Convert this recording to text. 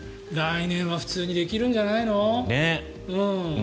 来年は普通にできるんじゃないの？